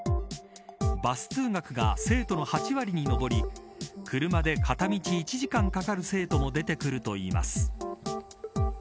バス通学が生徒の８割に上り車で片道１時間かかる生徒も出てくるといいます。